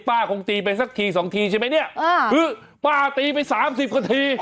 คงตีไปสักทีสองทีใช่ไหมเนี่ยคือป้าตีไปสามสิบกว่าที